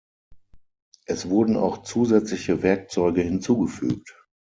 Es wurden auch zusätzliche Werkzeuge hinzugefügt.